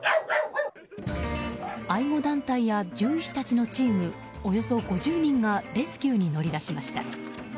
愛護団体や獣医師たちのチームおよそ５０人がレスキューに乗り出しました。